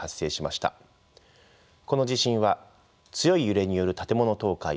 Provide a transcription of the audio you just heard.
この地震は強い揺れによる建物倒壊